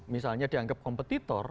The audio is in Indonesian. misalnya dianggap kompetitor